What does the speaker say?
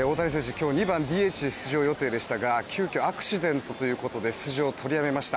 今日２番ＤＨで出場予定でしたが急きょアクシデントということで出場を取りやめました。